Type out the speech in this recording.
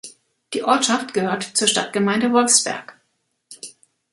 Die Ortschaft gehört zur Stadtgemeinde Wolfsberg.